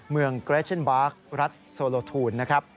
เมืองเกรชั่นบาร์กรัฐโซโลทูลนะครับ